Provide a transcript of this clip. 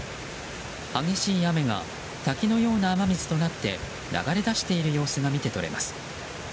激しい雨が滝のような雨水となって流れ出している様子が見て取れます。